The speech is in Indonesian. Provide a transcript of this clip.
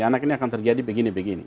anak ini akan terjadi begini begini